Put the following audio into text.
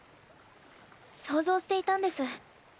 想像していたんです。